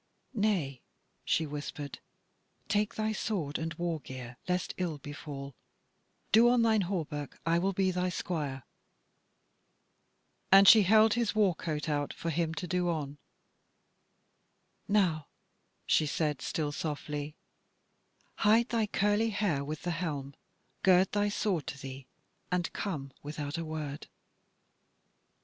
"Nay," she whispered, "take thy sword and war gear lest ill befall: do on thine hauberk; I will be thy squire." And she held his war coat out for him to do on. "Now," she said, still softly, "hide thy curly hair with the helm, gird thy sword to thee, and come without a word."